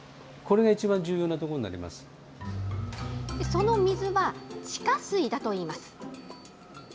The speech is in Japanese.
その水は、地下水だといいます。